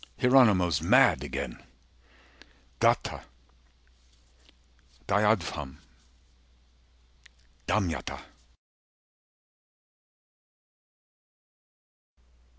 Hieronymo's mad againe. Datta. Dayadhvam. Damyata.